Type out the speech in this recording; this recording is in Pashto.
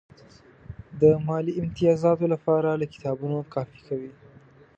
د مالي امتیازاتو لپاره له کتابونو کاپي کوي.